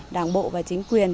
đảng bộ và chính quyền